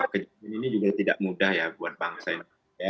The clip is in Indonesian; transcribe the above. kejadian ini juga tidak mudah ya buat bangsa indonesia